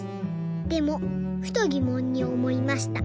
でもふとぎもんにおもいました。